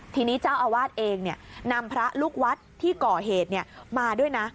ทีนี้เจ้าอาวาสเองนำพระลูกวัดที่ก่อเหตุมาด้วยนะ